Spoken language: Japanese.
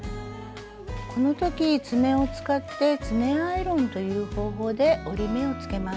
この時爪を使って「爪アイロン」という方法で折り目をつけます。